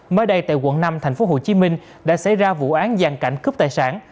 mới đây tại quận năm tp hcm đã xảy ra vụ án gian cảnh cướp tài sản